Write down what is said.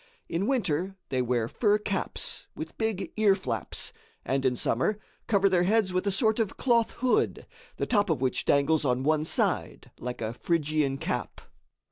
In winter they wear fur caps, with big ear flaps, and in summer cover their heads with a sort of cloth hood, the top of which dangles on one side, like a Phrygian cap.